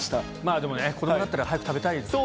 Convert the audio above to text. でもね、子どもだったら早く食べたいですよね。